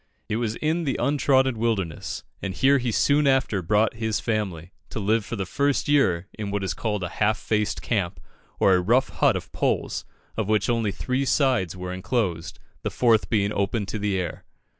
It was in the untrodden wilderness, and here he soon after brought his family, to live for the first year in what is called a half faced camp, or a rough hut of poles, of which only three sides were enclosed, the fourth being open to the air.